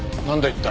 一体。